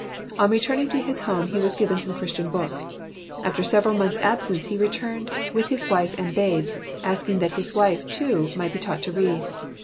On returning to his home he was given some Christian books. After several months' absence he returned with his wife and babe, asking that his wife, too, might be taught to read.